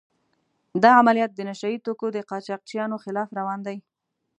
دا عملیات د نشه يي توکو د قاچاقچیانو خلاف روان دي.